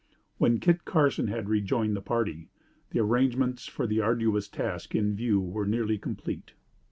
When Kit Carson had rejoined the party, the arrangements for the arduous task in view were nearly complete.